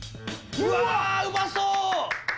うわうまそう！